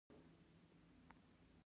هغه ویل ځان مې تباه کړ خو غم نه راځي